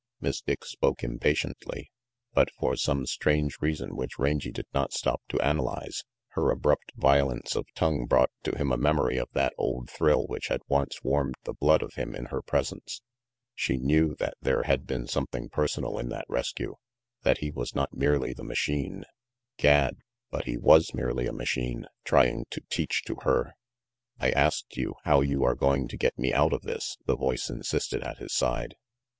Miss Dick spoke impatiently, but for some strange reason which Rangy did not stop to analyze, her RANGY PETE 351 abrupt violence of tongue brought to him a memory of that old thrill which had once warmed the blood of him in her presence. She knew that there had been something personal in that rescue, that he was not merely the machine Gad, but he was merely a machine, trying to teach to her "I asked you how you are going to get me out of this," the voice insisted at his side.